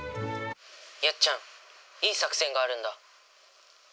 やっちゃんいい作戦があるんだ。